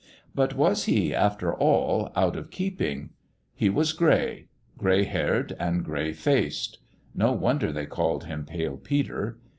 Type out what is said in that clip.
But was he, after all, out of keeping? He was gray gray haired and gray faced. No wonder they called him Pale Peter